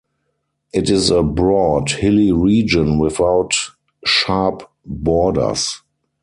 It is a broad hilly region without sharp borders.